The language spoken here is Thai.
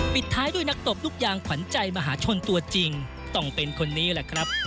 ปิดท้ายด้วยนักตบลูกยางขวัญใจมหาชนตัวจริงต้องเป็นคนนี้แหละครับ